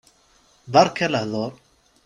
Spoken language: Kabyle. Beṛka lehḍuṛ.